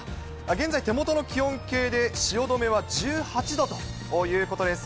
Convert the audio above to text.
現在、手元の気温計で汐留は１８度ということです。